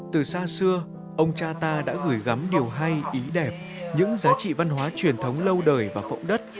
từ xa xưa ông cha ta đã gửi gắm điều hay ý đẹp những giá trị văn hóa truyền thống lâu đời và phẫu đất